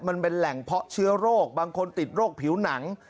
มันเป็นแหล่งเพาะเชื้อโรคบางคนติดโรคผิวหนัง